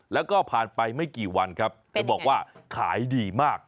แล้วก็ผ่านไปไม่กี่วันครับเธอบอกว่าขายดีมาก